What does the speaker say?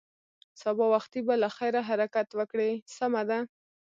سبا وختي به له خیره حرکت وکړې، سمه ده.